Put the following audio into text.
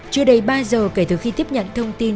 chưa đầy ba giờ kể từ khi tiếp nhận thông tin